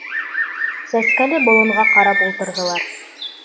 Сәскәле болонға ҡарап ултырҙылар.